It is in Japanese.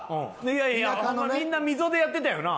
いやいやみんな溝でやってたよな？